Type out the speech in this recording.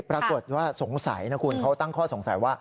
ปรากฏว่าสงสัยนะคุณเขาตั้งข้อสงสัยว่า